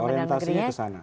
orientasinya ke sana